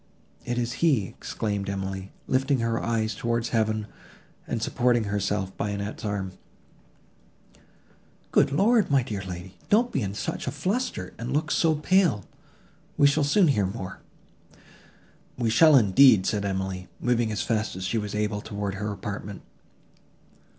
"It is he!" exclaimed Emily, lifting her eyes towards heaven and supporting herself by Annette's arm. "Good Lord! my dear lady, don't be in such a fluster, and look so pale, we shall soon hear more." "We shall, indeed!" said Emily, moving as fast as she was able towards her apartment.